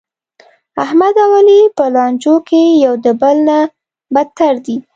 احمد او علي په لانجو کې یو د بل نه بتر دي.